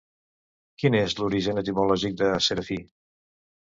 Quin és l'origen etimològic de serafí?